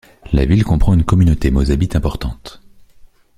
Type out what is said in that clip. La ville comprend une communauté mozabite importante.